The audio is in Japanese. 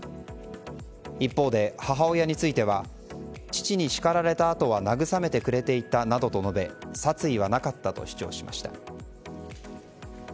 一方で、母親については父に叱られたあとは慰めてくれていたなどと述べ殺意はなかったと主張しました。